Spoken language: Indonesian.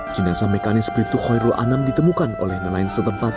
jenasa mekanis priptu khoiru anam ditemukan oleh nelayan setempatnya